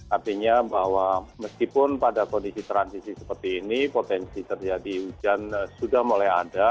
artinya bahwa meskipun pada kondisi transisi seperti ini potensi terjadi hujan sudah mulai ada